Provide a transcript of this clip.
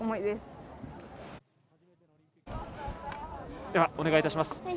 では、お願いいたします。